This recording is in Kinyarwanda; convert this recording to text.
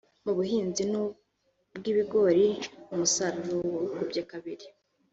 Mu buhinzi bw’ibigori umusaruro wikubye kabiri